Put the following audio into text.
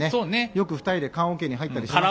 よく２人で棺おけに入ったりしてました。